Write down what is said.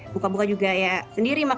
buka buka juga ya sendiri